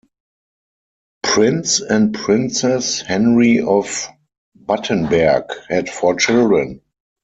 Prince and Princess Henry of Battenberg had four children.